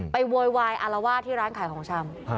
โวยวายอารวาสที่ร้านขายของชำ